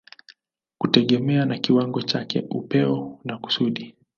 kutegemea na kiwango chake, upeo na kusudi.